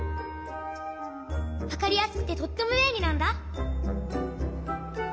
わかりやすくてとってもべんりなんだ。